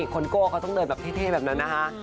โก้เขาต้องเดินแบบเท่แบบนั้นนะคะ